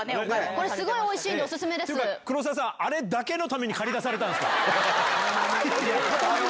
これ、すごいおいしいんで、黒沢さん、あれだけのために駆り出されたんですか？